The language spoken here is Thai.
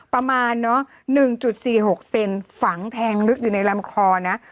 ประมาณเนาะหนึ่งจุดสี่หกเซ็นต์ฝังแทงลึกอยู่ในรำคอนะ